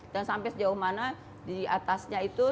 dan sampai sejauh mana diatasnya itu